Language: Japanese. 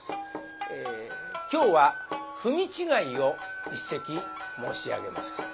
今日は「文違い」を一席申し上げます。